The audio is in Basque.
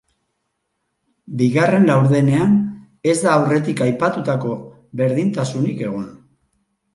Bigarren laurdenean ez da aurretik aipatutako berdintasunik egon.